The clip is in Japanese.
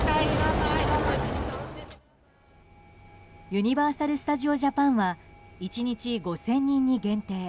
ユニバーサル・スタジオ・ジャパンは１日５０００人に限定。